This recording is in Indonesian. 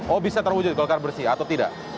oh bisa terwujud golkar bersih atau tidak